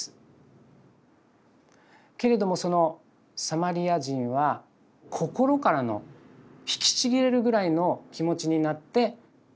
けれどもそのサマリア人は心からの引きちぎれるぐらいの気持ちになって助けたという。